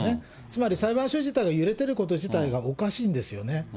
つまり裁判所自体が揺れてること自体がおかしいんですよね。